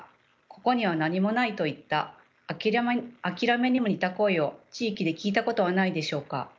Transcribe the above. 「ここには何もない」といった諦めにも似た声を地域で聞いたことはないでしょうか。